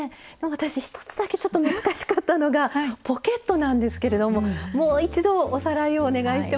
私一つだけちょっと難しかったのがポケットなんですけれどももう一度おさらいをお願いしてもいいですか。